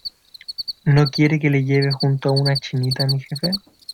¿ no quiere que le lleve junto a una chinita, mi jefe?...